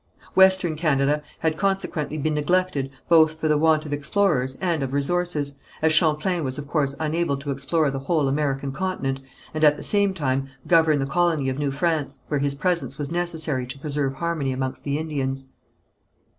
Western Canada had consequently been neglected both for the want of explorers and of resources, as Champlain was of course unable to explore the whole American continent, and at the same time govern the colony of New France, where his presence was necessary to preserve harmony amongst the Indians.